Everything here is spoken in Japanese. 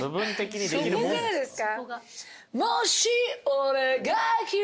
そこからですか？